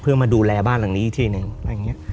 เพื่อมาดูแลบ้านหลังนี้อีกทีหนึ่ง